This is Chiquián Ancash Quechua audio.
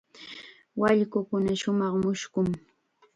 Waykunaqa shumaq mushkun.